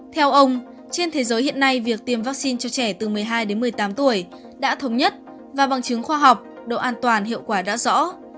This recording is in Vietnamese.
theo ông trên thế giới hiện nay việc tiêm vaccine cho trẻ từ một mươi hai đến một mươi tám tuổi đã thống nhất và bằng chứng khoa học độ an toàn hiệu quả đã rõ